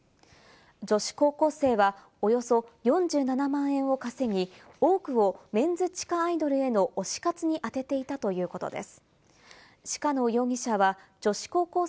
女子高校生はおよそ４７万円を稼ぎ、多くをメンズ地下アイドルへの推し活に充てていたということです。